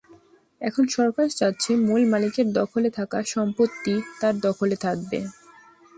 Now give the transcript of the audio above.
এখন সরকার চাচ্ছে, মূল মালিকের দখলে থাকা সম্পত্তি তার দখলে থাকবে।